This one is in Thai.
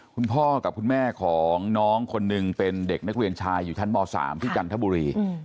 คุณพ่อกับคุณแม่ของน้องคนหนึ่งเป็นเด็กนักเรียนชายอยู่ชั้นม๓ที่จันทบุรี